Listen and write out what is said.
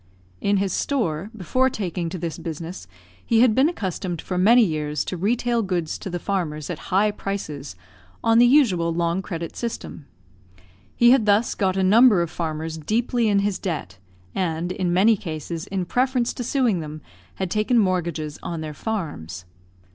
In his store, before taking to this business, he had been accustomed for many years to retail goods to the farmers at high prices, on the usual long credit system. He had thus got a number of farmers deeply in his debt, and, in many cases, in preference to suing them, had taken mortgages on their farms.